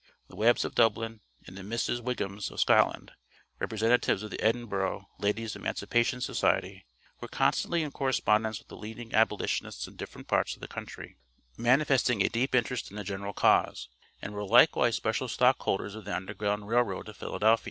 The Webbs of Dublin, and the Misses Wighams, of Scotland, representatives of the Edinburgh Ladies' Emancipation Society, were constantly in correspondence with leading abolitionists in different parts of the country, manifesting a deep interest in the general cause, and were likewise special stockholders of the Underground Rail Road of Philadelphia.